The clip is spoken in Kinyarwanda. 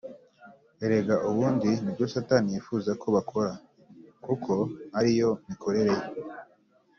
erega ubundi ni byo satani yifuza ko bakora; kuko ari yo mikorere ye